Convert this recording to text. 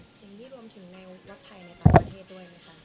จะยืมรวมถึงในรับไทยในตลาดประเทศด้วยไหมคะ